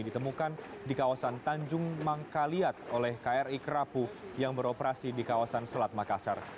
ditemukan di kawasan tanjung mangkaliat oleh kri kerapu yang beroperasi di kawasan selat makassar